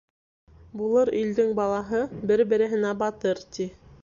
Булыр илдең балаһы бер-береһенә «батыр» тир